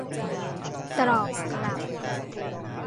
ตอบกลับ